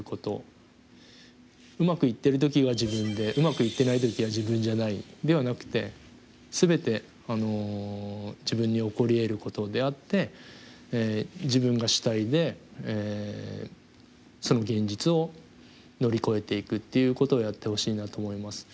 うまくいってる時は自分でうまくいってない時は自分じゃないではなくて全て自分に起こりえることであって自分が主体でその現実を乗り越えていくっていうことをやってほしいなと思います。